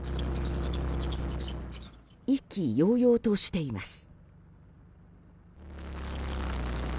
意気揚々としています。